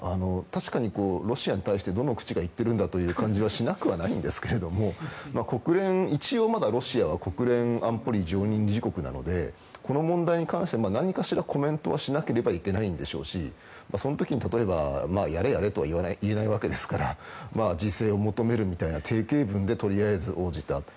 確かに、ロシアに対してどの口が言っているんだという感じはしなくはないんですが一応、ロシアは国連安保理常任理事国なのでこの問題に関して何かしらコメントはしなければいけないんでしょうしその時に、やれやれとは言えないわけですから自制を求めるみたいな定型文でとりあえず応じた。